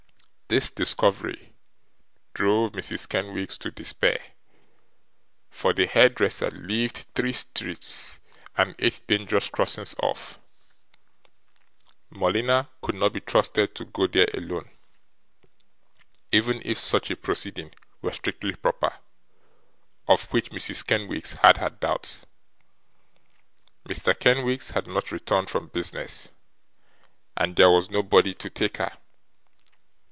This discovery drove Mrs. Kenwigs to despair; for the hairdresser lived three streets and eight dangerous crossings off; Morleena could not be trusted to go there alone, even if such a proceeding were strictly proper: of which Mrs. Kenwigs had her doubts; Mr. Kenwigs had not returned from business; and there was nobody to take her.